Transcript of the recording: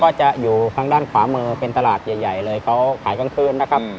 ก็จะอยู่ทางด้านขวามือเป็นตลาดใหญ่เลยเขาขายกลางคืนนะครับ